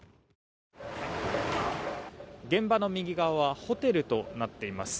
現場の右側はホテルとなっています。